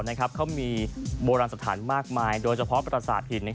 มันมีโบราณสถานมากมายโดยเฉพาะปราศาสตร์หิน